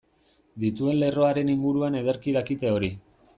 Dituen lerroaren inguruan ederki dakite hori.